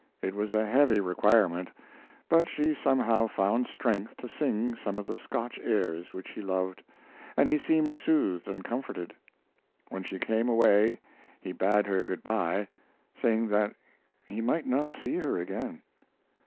It was a heavy requirement, but she somehow found strength to sing some of the Scotch airs which he loved, and he seemed soothed and comforted. When she came away he bade her good by, saying that he might not see her again.